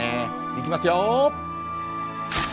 いきますよ。